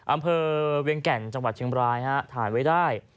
อำเภอเวียงแก่นจังหวัดเชียงบรายฮะถ่ายไว้ได้